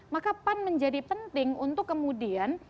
maka pan menjadi penting untuk kemudian